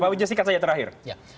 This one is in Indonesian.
pak winja sikat saja terakhir